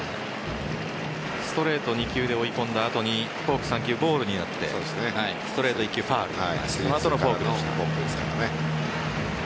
ストレート２球で追い込んだ後にフォーク３球、ボールになってストレート１球、ファウルその後フォークでした。